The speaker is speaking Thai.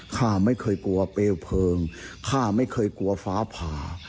ข้าไม่เคยกลัวเปลวเพลิงข้าไม่เคยกลัวฟ้าผ่า